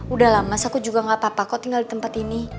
udahlah mas aku juga enggak apa apa kok tinggal di tempat ini